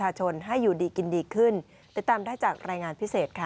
ชนให้อยู่ดีกินดีขึ้นติดตามได้จากรายงานพิเศษค่ะ